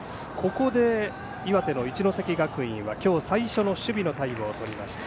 ここで岩手の一関学院は今日最初の守備のタイムをとりました。